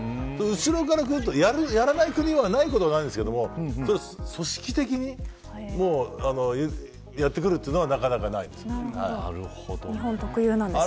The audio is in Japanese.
後ろからくるとやれないことはないですけど組織的にやってくるというのは日本特有なんですね。